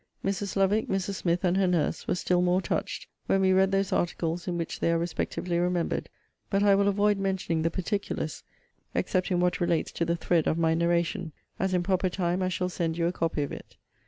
Mrs. Lovick, Mrs. Smith, and her nurse, were still more touched, when we read those articles in which they are respectively remembered: but I will avoid mentioning the particulars, (except in what relates to the thread of my narration,) as in proper time I shall send you a copy of it.